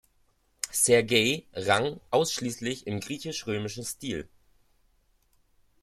Sergei rang ausschließlich im griechisch-römischen Stil.